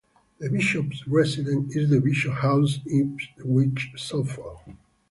The Bishop's residence is the Bishop's House, Ipswich, Suffolk.